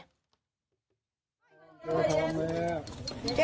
เก็บแล้ว